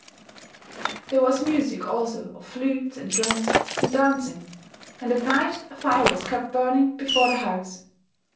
There was music also of flutes and drums, and dancing; and at night a fire was kept burning before the house.